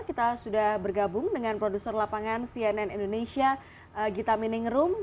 kita sudah bergabung dengan produser lapangan cnn indonesia gita miningrum